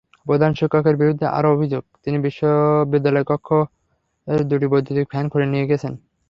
প্রধান শিক্ষকের বিরুদ্ধে আরও অভিযোগ, তিনি বিদ্যালয়কক্ষের দুটি বৈদ্যুতিক ফ্যান খুলে নিয়ে গেছেন।